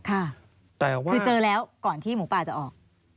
คือเจอแล้วก่อนที่หมูป่าจะออก